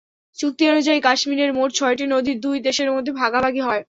চুক্তি অনুযায়ী কাশ্মীরের মোট ছয়টি নদী দুই দেশের মধ্যে ভাগাভাগি হয়।